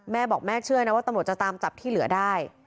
แม่บอกแม่เชื่อนะว่าตำรวจจะตามจับที่เหลือได้